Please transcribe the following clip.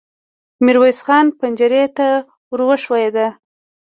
ميرويس خان پنجرې ته ور وښويېد.